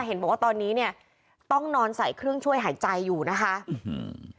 เห็นบอกว่าตอนนี้เนี้ยต้องนอนใส่เครื่องช่วยหายใจอยู่นะคะอื้อหือ